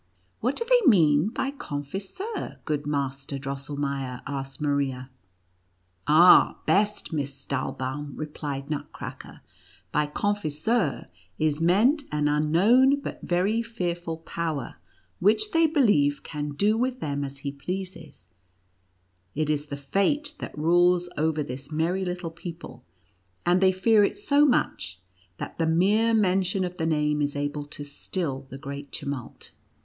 " What do they mean by ( Con fiseur,' good Master Drosselmeier V asked Maria. "Ah, best Miss Stahlbaum," replied Nut cracker, "by ' Confiseur' is meant an unknown but very fearful power, which they believe can do with them as he pleases; it is the Fate that rules over this merry little people, and NUTCRACKER AND MOUSE KING. 123 they fear it so much, that the mere mention of the name is able to still the greatest tumult.